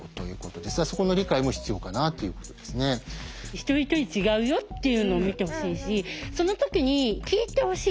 一人一人違うよっていうのを見てほしいしそのときに聞いてほしい。